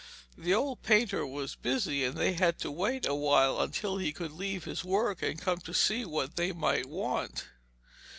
The old painter was busy, and they had to wait a while until he could leave his work and come to see what they might want.